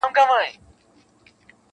ماسومان ترې تېرېږي وېرېدلي ډېر,